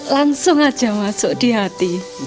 langsung aja masuk di hati